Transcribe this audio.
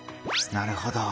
なるほど。